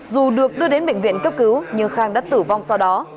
dù được đưa đến bệnh viện cấp cứu nhưng khang đã tử vong sau đó